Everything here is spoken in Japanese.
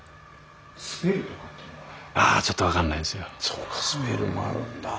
そっかスペルもあるんだ。